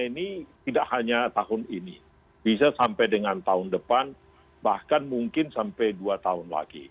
dan bahkan kita melihat tampaksan ini tidak hanya tahun ini bisa sampai dengan tahun depan bahkan mungkin sampai dua tahun lagi